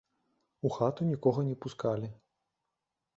У хату нікога не пускалі.